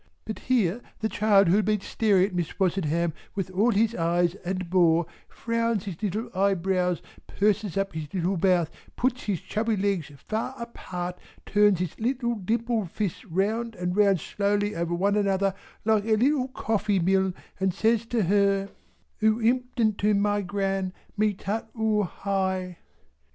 But here the child who had been staring at Miss Wozenham with all his eyes and more, frowns down his little eyebrows purses up his little mouth puts his chubby legs far apart turns his little dimpled fists round and round slowly over one another like a little coffee mill, and says to her "Oo impdent to mi Gran, me tut oor hi!"